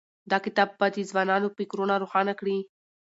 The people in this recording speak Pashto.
دا کتاب به د ځوانانو فکرونه روښانه کړي.